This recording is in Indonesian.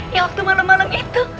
ya waktu malam malam itu